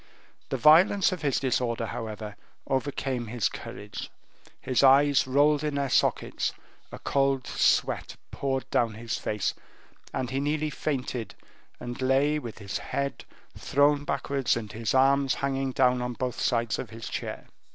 The violence of his disorder, however, overcame his courage; his eyes rolled in their sockets, a cold sweat poured down his face, and he nearly fainted, and lay with his head thrown backwards and his arms hanging down on both sides of his chair.